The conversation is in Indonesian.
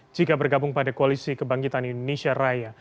jika bergabung pada koalisi kebangkitan indonesia raya